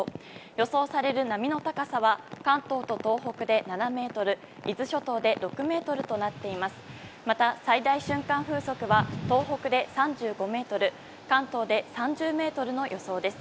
予想される波の高さは関東と東北で７ｍ伊豆諸島で６ｍとなっています。